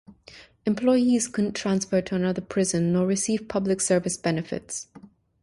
Employees couldn't transfer to another prison nor receive public service benefits.